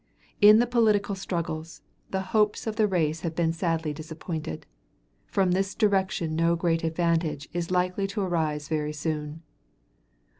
In the political struggles, the hopes of the race have been sadly disappointed. From this direction no great advantage is likely to arise very soon.